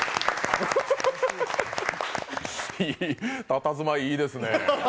たたずまい、いいですね。